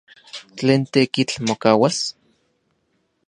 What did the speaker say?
¿Tlen tekitl mokauas?